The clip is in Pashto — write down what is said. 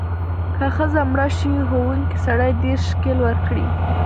که ښځه مړه شي، وهونکی سړی دیرش شِکِل ورکړي.